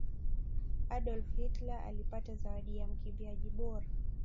adolf hitler alipata zawadi ya mkimbiaji bora